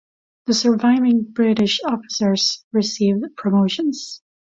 The surviving British officers received promotions.